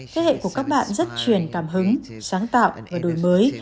thế hệ của các bạn rất truyền cảm hứng sáng tạo và đổi mới